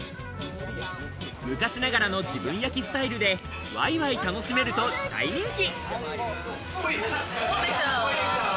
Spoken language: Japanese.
昔ながらの自分焼きスタイルでワイワイ楽しめると大人気。